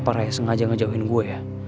apa ray sengaja ngejauhin gue ya